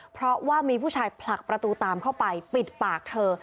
เพราะว่ามีผู้ชายผลักประตูตามเข้าไปปิดปากเธอ